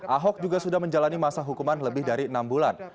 ahok juga sudah menjalani masa hukuman lebih dari enam bulan